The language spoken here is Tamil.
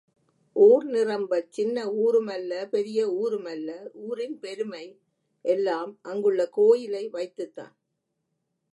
ஊர் நிரம்பச் சின்ன ஊரும் அல்ல பெரிய ஊரும் அல்ல ஊரின் பெருமை எல்லாம் அங்குள்ள கோயிலை வைத்துத்தான்.